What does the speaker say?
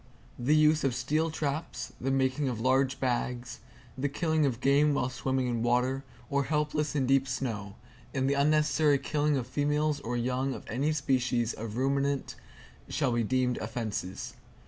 The use of steel traps, the making of large bags, the killing of game while swimming in water, or helpless in deep snow, and the unnecessary killing of females or young of any species of ruminant, shall be deemed offenses.